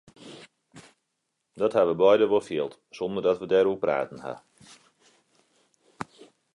Dat ha we beide wol field sonder dat we dêroer praten ha.